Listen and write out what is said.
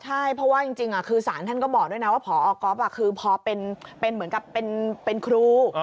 ใช่เพราะว่าจริงคือสารท่านก็บอกด้วยนะว่าพอก๊อฟคือพอเป็นเหมือนกับเป็นครู